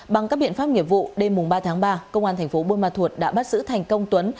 bằng các biện pháp nghiệp vụ đêm ba tháng ba công an tp hcm đã bắt giữ thành công tuấn